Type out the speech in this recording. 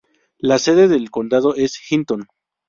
La sede del condado es Hinton.